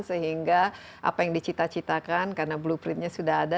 sehingga apa yang dicita citakan karena blueprintnya sudah ada